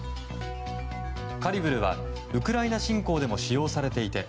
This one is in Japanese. カリブルはウクライナ侵攻でも使用されていて